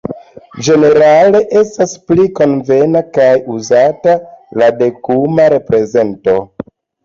Ĝenerale estas pli konvena kaj uzata la dekuma reprezento.